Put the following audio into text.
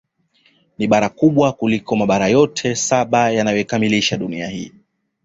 Ni bara kubwa kuliko Mabara yote saba yanayoikamilisha Dunia hii